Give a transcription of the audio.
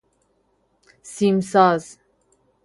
سیم ساز